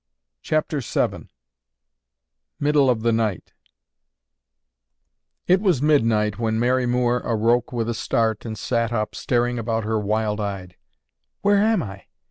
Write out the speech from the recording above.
CHAPTER VII MIDDLE OF THE NIGHT It was midnight when Mary Moore awoke with a start and sat up, staring about her wild eyed. "Where am I?